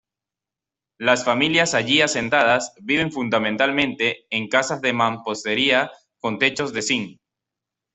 Las familias allí asentadas viven fundamentalmente en casas de mampostería con techos de cinc.